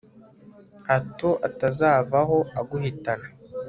hato atazavaho aguhitana